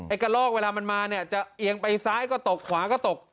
กระลอกเวลามันมาเนี่ยจะเอียงไปซ้ายก็ตกขวาก็ตก